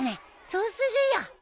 そうするよ。